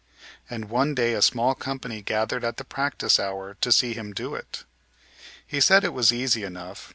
And one day a small company gathered at the practice hour to see him do it. He said it was easy enough.